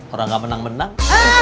orang gak menang menang